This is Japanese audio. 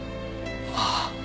ああ。